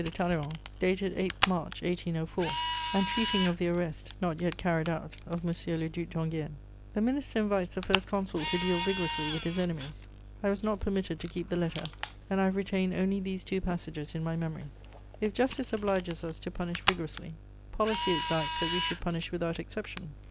de Talleyrand, dated 8 March 1804, and treating of the arrest, not yet carried out, of M. le Duc d'Enghien. The Minister invites the First Consul to deal vigorously with his enemies. I was not permitted to keep the letter, and I have retained only these two passages in my memory: "If justice obliges us to punish vigorously, policy exacts that we should punish without exception....................